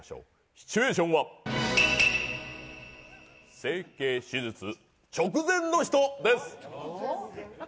シチュエーションは整形手術直前の人です。